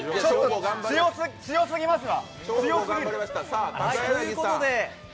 強すぎますわ。